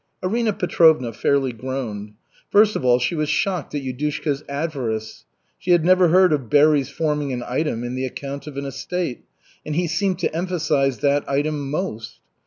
Arina Petrovna fairly groaned. First of all, she was shocked at Yudushka's avarice. She had never heard of berries forming an item in the account of an estate, and he seemed to emphasize that item most.